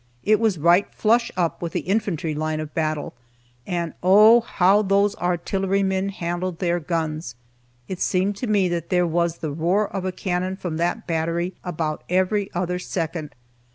It was right flush up with the infantry line of battle, and oh, how those artillery men handled their guns! It seemed to me that there was the roar of a cannon from that battery about every other second.